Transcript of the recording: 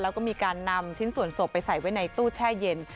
แล้วก็มีการนำชิ้นส่วนศพไปใส่ไว้ในตู้แช่เย็น